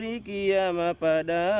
sehingga kita bisa melakukan peradaban yang baik